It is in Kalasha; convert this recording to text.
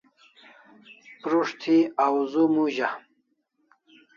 Prus't thi awzu muza